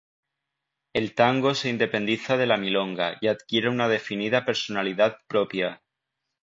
El tango se independiza de la milonga y adquiere una definida personalidad propia.